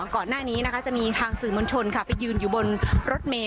ก่อนหน้านี้นะคะจะมีทางสื่อมวลชนไปยืนอยู่บนรถเมย